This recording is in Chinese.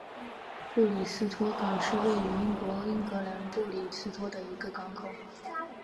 布里斯托港是位于英国英格兰布里斯托的一座港口。